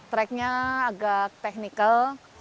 tracknya agak teknikal